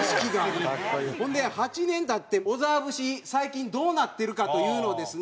ほんで８年経って小沢節最近どうなってるかというのをですね